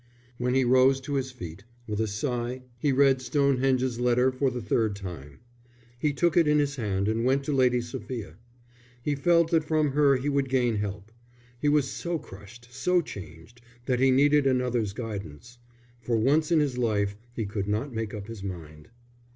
When he rose to his feet, with a sigh he read Stonehenge's letter for the third time. He took it in his hand and went to Lady Sophia. He felt that from her he would gain help. He was so crushed, so changed, that he needed another's guidance. For once in his life he could not make up his mind.